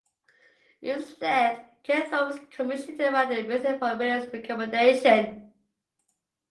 Instead Ken Thorne was commissioned to write the music upon Williams's recommendation.